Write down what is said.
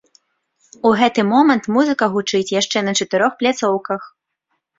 У гэты момант музыка гучыць яшчэ на чатырох пляцоўках!